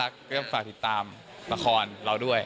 ก็ต้องฝากติดตามละครเราด้วย